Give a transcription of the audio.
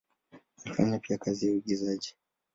Alifanya pia kazi ya uigizaji.